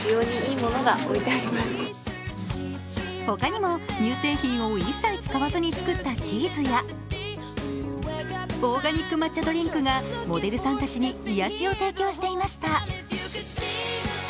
ほかにも乳製品を一切使わずに作ったチーズやオーガニック抹茶ドリンクがモデルさんたちに癒やしを提供していました。